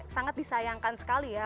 sangat disayangkan sekali ya